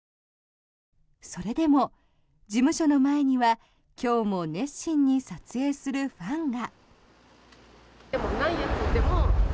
それでも事務所の前には今日も熱心に撮影するファンが。